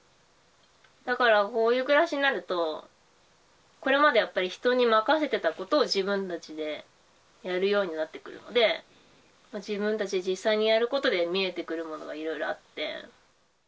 だから、こういう暮らしになると、これまでやっぱり人に任せてたことを自分たちでやるようになってくるので、自分たち、実際にやることで、見えてくるものがいろいろあって。